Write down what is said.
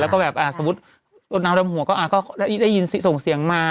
แล้วก็แบบสมมุติลดน้ำดำหัวก็แล้วได้ยินส่งเสียงมา